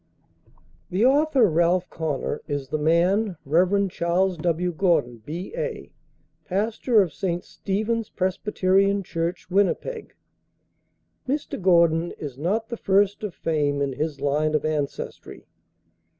The author, "Ralph Connor," is the man, Rev. Charles W. Gordon, B.A., pastor of St. Stephen's Presbyterian Church, Winnipeg. Mr. Gordon is not the first of fame in his line of ancestry.